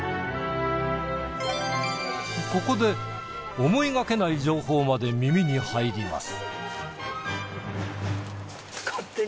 ここで思いがけない情報まで耳に入ります。